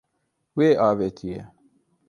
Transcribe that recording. Wê avêtiye.